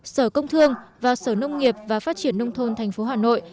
sở công thương và sở nông nghiệp và phát triển nông thôn tp hà nội